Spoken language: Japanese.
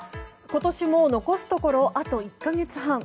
今年もう残すところあと１か月半。